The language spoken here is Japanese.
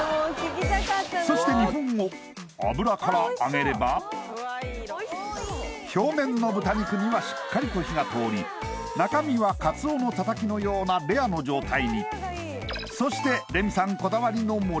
そして２分後表面の豚肉にはしっかりと火が通り中身はカツオのたたきのようなレアの状態にそしてレミさん